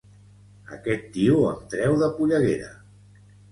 Aquest tio em treu de polleguera